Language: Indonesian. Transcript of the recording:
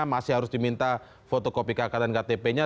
masih harus diminta fotokopi kk dan ktp nya